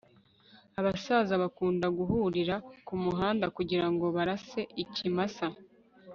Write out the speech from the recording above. abasaza bakunda guhurira kumuhanda kugirango barase ikimasa